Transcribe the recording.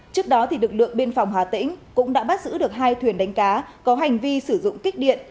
trước đó lực lượng biên phòng hà tĩnh cũng đã bắt giữ được hai thuyền đánh cá có hành vi sử dụng kích điện